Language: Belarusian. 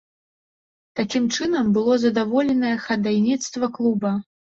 Такім чынам было задаволенае хадайніцтва клуба.